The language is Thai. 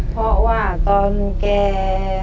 เพราะว่าตอนแก